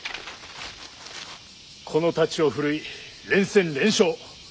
この太刀を振るい連戦連勝。